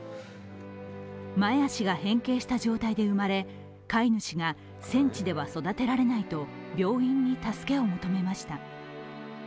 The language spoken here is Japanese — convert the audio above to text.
前足が変形した状態で生まれ、飼い主が戦地では育てられないと病院に助けを求めました。